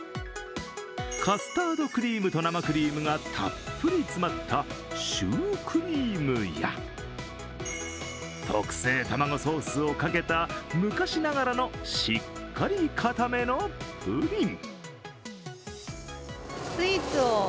カスタードクリームと生クリームがたっぷり詰まったシュークリームや、特製たまごソースをかけた昔ながらのしっかり固めのプリン。